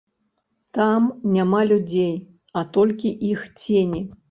Там няма людзей, а толькі іх цені.